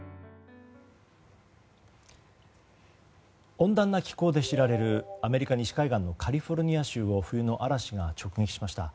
温暖な気候で知られるアメリカ西海岸のカリフォルニア州を冬の嵐が直撃しました。